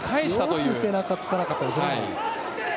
よく背中、つかなかったですね。